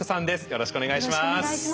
よろしくお願いします。